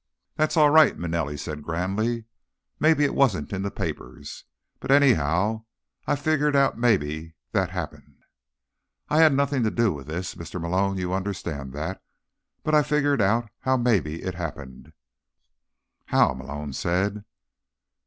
"That's all right," Manelli said grandly. "Maybe it wasn't in the papers. But anyhow, I figured out maybe that happened. I had nothing to do with this, Mr. Malone; you understand that? But I figured out how maybe it happened." "How?" Malone said.